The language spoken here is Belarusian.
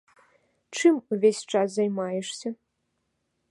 Чым увесь час займаешся?